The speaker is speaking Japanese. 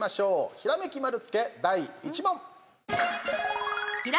ひらめき丸つけ、第１問。